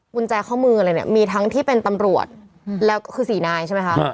กุญแจข้อมืออะไรเนี่ยมีทั้งที่เป็นตำรวจแล้วก็คือสี่นายใช่ไหมคะ